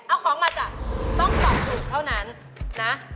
เอาของมาจ้ะต้องตอบถูกเท่านั้นนะ